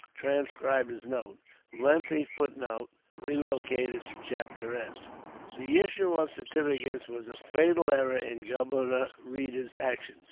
[Transcriber's Note: Lengthy footnote relocated to chapter end.] The issue of certificates was a fatal error in Governor Reeder's action.